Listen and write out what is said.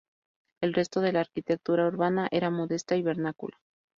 El resto de la arquitectura urbana era modesta y vernácula.